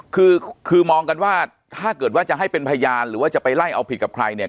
คือคือมองกันว่าถ้าเกิดว่าจะให้เป็นพยานหรือว่าจะไปไล่เอาผิดกับใครเนี่ย